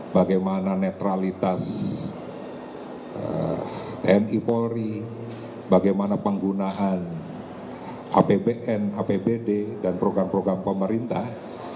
bagaimana netralitas tni polri bagaimana penggunaan apbn apbd dan program program pemerintah